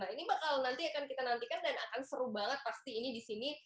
ini bakal nanti akan kita nantikan dan akan seru banget pasti ini di sini